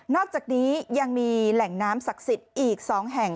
อกจากนี้ยังมีแหล่งน้ำศักดิ์สิทธิ์อีก๒แห่ง